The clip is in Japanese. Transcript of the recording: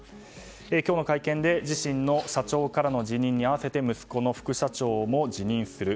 今日の会見で自身の社長からの辞任に併せて息子の副社長も辞任する。